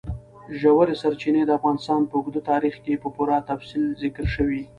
ژورې سرچینې د افغانستان په اوږده تاریخ کې په پوره تفصیل ذکر شوی.